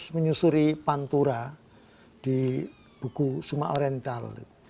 menyusuri pantura di buku sumak oriental